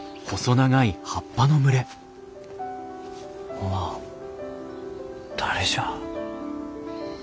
おまん誰じゃ？